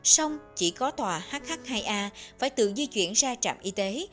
xong chỉ có tòa hh hai a phải tự di chuyển ra trạm y tế